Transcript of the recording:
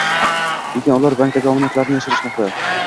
lekin ular bankdagi omonatlarini yashirishmoqda.